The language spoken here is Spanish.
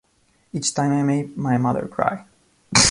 Each time I make my Mother cry